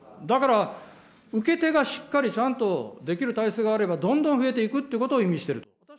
だから、受け手がしっかりちゃんとできる体制があれば、どんどん増えていくっていうことを意味してる。